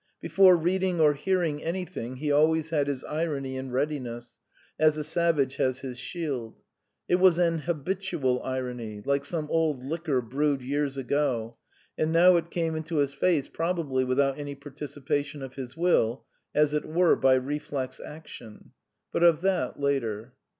Before reading or hearing anything he always had his irony in readiness, as a savage has his shield. It was an habitual irony, like some old liquor brewed years ago, and now it came into his face probably without any participation of his will, as it were by reflex action. But of that later.